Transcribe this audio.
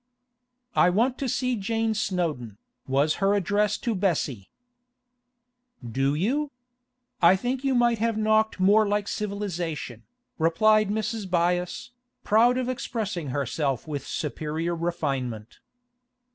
'I want to see Jane Snowdon,' was her address to Bessie. 'Do you? I think you might have knocked more like civilisation,' replied Mrs. Byass, proud of expressing herself with superior refinement.